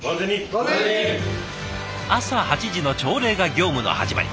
朝８時の朝礼が業務の始まり。